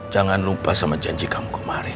jangan lupa sama janji kamu kemarin